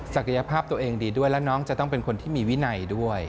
ยภาพตัวเองดีด้วยและน้องจะต้องเป็นคนที่มีวินัยด้วย